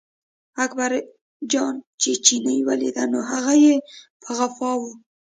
اکبرجان چې چیني ولیده، نو هغه په غپا و.